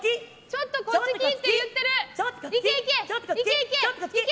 「ちょっとこっち来」って言ってる！